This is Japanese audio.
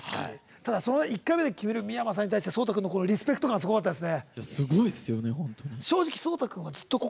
１回目で決める三山さんに対して、ＳＯＴＡ君のリスペクト感すごかったですね。